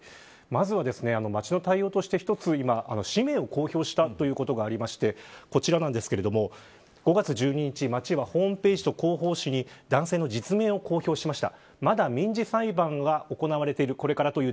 まずは町の対応として氏名を公表したということがありましてこちらなんですけれども５月１２日、町がホームページと広報紙に男性の実名を公表しました。